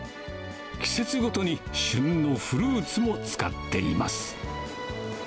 季節ごとに旬のフルーツを使っています。